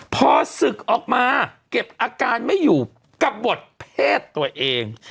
พอศึกออกมาเก็บอาการไม่อยู่กับบทเพศตัวเอง